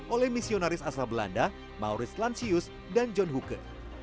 oleh misionaris asal belanda maurits lansius dan john hooke